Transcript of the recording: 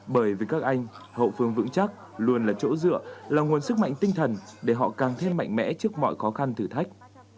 bởi vì các anh hậu phương vững chắc luôn là chỗ dựa là nguồn sức mạnh tinh thần để họ càng thêm mạnh mẽ trước mọi khó khăn thử thách